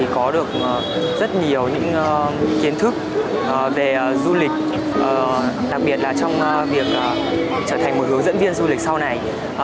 có được rất nhiều những kiến thức về du lịch đặc biệt là trong việc trở thành một hướng dẫn viên du lịch sau này